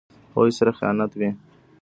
هغوی سره خیانت وي.